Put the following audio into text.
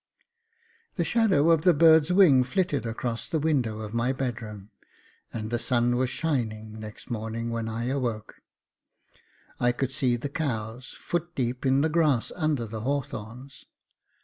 The shadow of the bird's wing flitted across the window of my bedroom, and the sun was shining next morning when I awoke. I could see the cows, foot deep in the grass under the hawthorns.